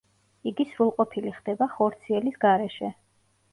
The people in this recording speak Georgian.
იგი სრულყოფილი ხდება ხორციელის გარეშე.